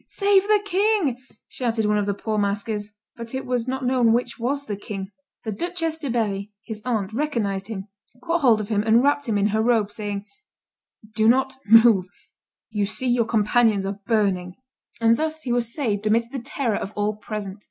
"Save the king!" shouted one of the poor masquers; but it was not known which was the king. The Duchess de Berry, his aunt, recognized him, caught hold of him, and wrapped him in her robe, saying, "Do not move; you see your companions are burning." And thus he was saved amidst the terror of all present.